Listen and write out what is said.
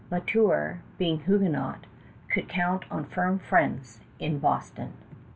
La Tour, being Huguenot, could count on firm friends in Boston.